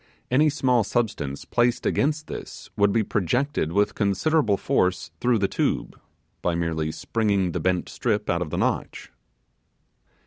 Any small substance placed against this would be projected with considerable force through the tube, by merely springing the bent strip out of the notch.